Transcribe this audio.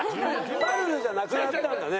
ぱるるじゃなくなったんだね。